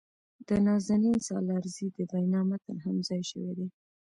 د نازنین سالارزي د وينا متن هم ځای شوي دي.